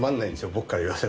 僕から言わせると。